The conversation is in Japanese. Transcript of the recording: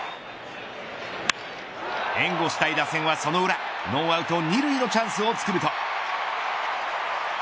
援護したい打線はその裏ノーアウト２塁のチャンスをつくると。